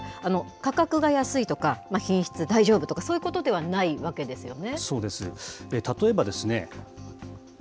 価格が安いとか品質大丈夫とかそういうことではないわけですよね。